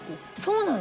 そうなの？